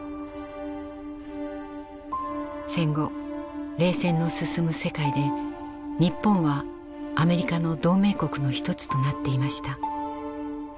戦後冷戦の進む世界で日本はアメリカの同盟国の一つとなっていました。